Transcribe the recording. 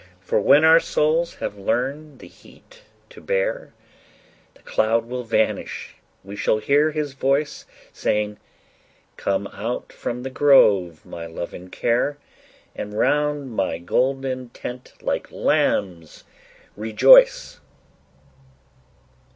'For, when our souls have learned the heat to bear, The cloud will vanish, we shall hear His voice, Saying, "Come out from the grove, my love and care, And round my golden tent like lambs rejoice."